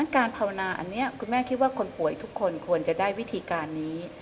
การภาวนาอันนี้คุณแม่คิดว่าคนป่วยทุกคนควรจะได้วิธีการนี้